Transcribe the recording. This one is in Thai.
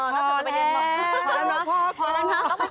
พอแล้วพอพอพอพอพอพอพอพอพอพอ